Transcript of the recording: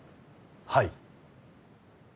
はい。